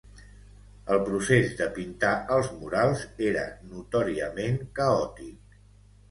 El procés de pintar els murals era notòriament caòtic.